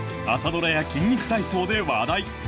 朝ドラや筋肉体操で話題。